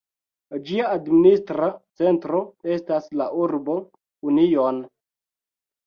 Ĝia administra centro estas la urbo Union.